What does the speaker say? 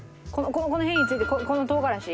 このへりに付いてるこの唐辛子。